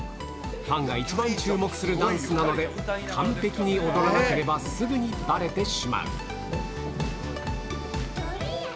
ファンが一番注目するダンスなので、完璧に踊らなければすぐにばれてしまう。